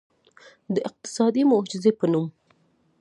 د اقتصادي معجزې په نوم.